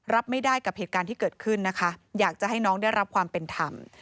รับไม่ได้กับเหตุการณ์ที่เกิดขึ้นนะคะอยากจะให้น้องได้รับความเป็นธรรม